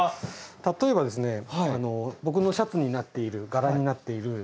例えば僕のシャツになっている柄になっているゲンゴロウ。